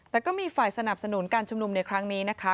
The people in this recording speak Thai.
แต่ก็มีฝ่ายสนับสนุนการชุมนุมในครั้งนี้นะคะ